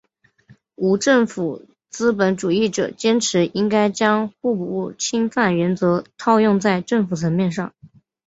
无政府资本主义者坚持应该将互不侵犯原则套用在政府层面上。